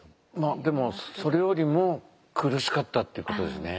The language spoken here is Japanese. でもそれよりも苦しかったってことですね